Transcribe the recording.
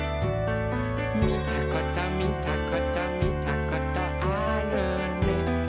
「みたことみたことみたことあるね」